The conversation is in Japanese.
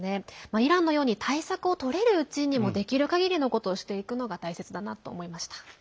イランのように対策をとれるうちにできるかぎりのことをしていくのが大切だなと思いました。